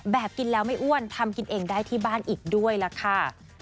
กินแล้วไม่อ้วนทำกินเองได้ที่บ้านอีกด้วยล่ะค่ะ